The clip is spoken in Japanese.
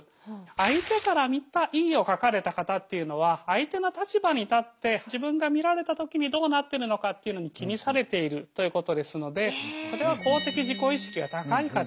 相手から見たＥを書かれた方というのは相手の立場に立って自分が見られた時にどうなってるのかっていうのに気にされているということですのでそれは公的自己意識が高い方。